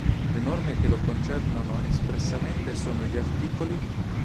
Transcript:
Le norme che lo concernono espressamente sono gli artt.